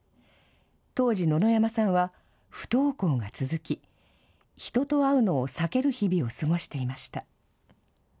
当時、野々山さんは不登校が続き、人と会うのを避ける日々を過ごしていました。